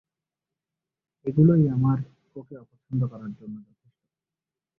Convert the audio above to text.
এগুলোই আমার ওকে অপছন্দ করার জন্য যথেষ্ট।